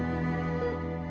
sudah mediakan mau pergi ke tenha